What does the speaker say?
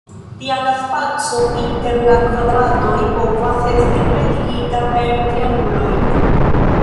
Tiam la spaco inter la kvadratoj povas esti plenigita per trianguloj.